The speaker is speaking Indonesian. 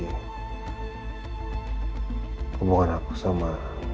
hubungan aku sama